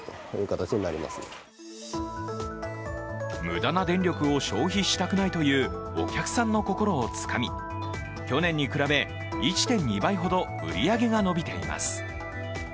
無駄な電力を消費したくないというお客さんの心をつかみ去年に比べ、１．２倍ほど売り上げが伸びています。